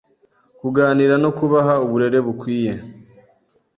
kuganira no kubaha uburere bukwiye